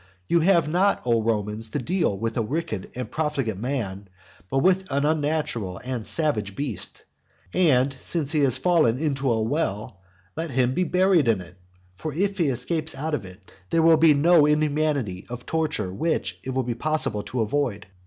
You have not, O Romans, to deal with a wicked and profligate man, but with an unnatural and savage beast. And, since he has fallen into a well, let him be buried in it. For if he escapes out of it, there will be no inhumanity of torture which it will be possible to avoid.